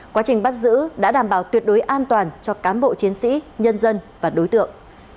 quá trình bắt giữ đã đảm bảo tuyệt đối an toàn cho cán bộ chiến sĩ nhân dân và đối tượng